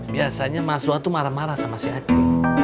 biasanya ma suatu marah marah sama si aci